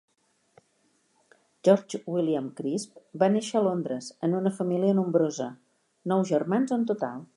George William Crisp va néixer a Londres en una família nombrosa, nou germans en total.